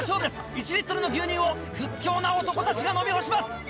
１リットルの牛乳を屈強な男たちが飲み干します。